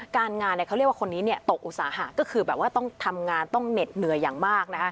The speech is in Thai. การงานเขาเรียกว่าคนนี้ตกอุตสาหะก็คือแบบว่าต้องทำงานต้องเหน็ดเหนื่อยอย่างมาก